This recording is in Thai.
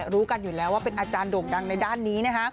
รู้กันอยู่แล้วว่าเป็นอาจารย์โด่งดังในด้านนี้นะคะ